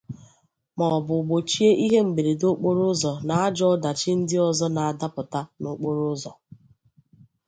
maọbụ gbòchie ihe mberede okporoụzọ na ajọ ọdachi ndị ọzọ na-adapụta n'okporoụzọ.